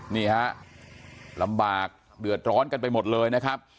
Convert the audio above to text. นี่ฮะลำบากเดือดร้อนกันไปหมดเลยนะครับ